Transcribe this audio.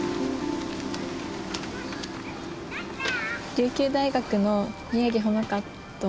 琉球大学の宮城穂花と申します。